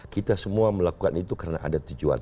kita semua melakukan itu karena ada tujuan